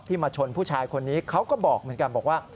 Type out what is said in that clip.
มาชนผู้ชายคนนี้เขาก็บอกเหมือนกันบอกว่า